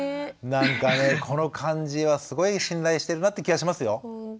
なんかねこの感じはすごい信頼してるなって気はしますよ。